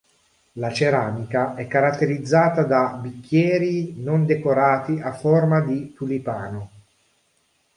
La ceramica è caratterizzata da bicchieri non decorati a forma di tulipano.